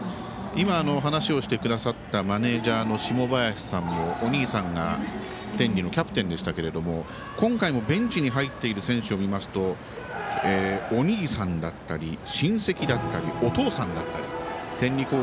今話をしてくださったマネージャーの下林さんのお兄さんが天理のキャプテンでしたけれども今回もベンチに入っている選手を見ますとお兄さんだったり、親戚だったりお父さんだったり。